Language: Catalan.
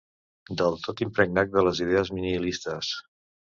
Del tot impregnat de les idees nihilistes.